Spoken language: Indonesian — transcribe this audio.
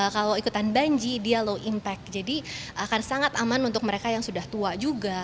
kalau ikutan banji dia low impact jadi akan sangat aman untuk mereka yang sudah tua juga